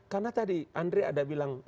karena tadi andri ada bilang